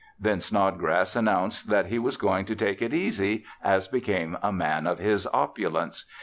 Then Snodgrass announced that he was going to take it easy as became a man of his opulence.